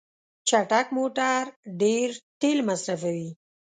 چټک موټر ډیر تېل مصرفوي.